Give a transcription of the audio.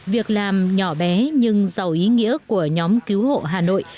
việc làm nhỏ bé nhưng giàu ý nghĩa của nhóm cứu hộ hà nội